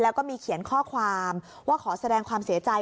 แล้วก็มีเขียนข้อความว่าขอแสดงความเสียใจ